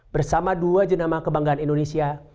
bersama dua jenama kebanggaan indonesia